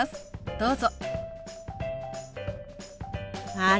どうぞ。